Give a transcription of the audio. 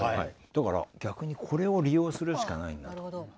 だから逆にこれを利用するしかないなと。